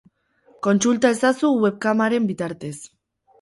Kontsulta ezazu webkameren bitartez.